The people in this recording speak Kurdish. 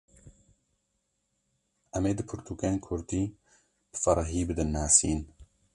Em ê du pirtûkên Kurdî, bi berfirehî bidin nasîn